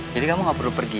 jadi kamu gak perlu pergi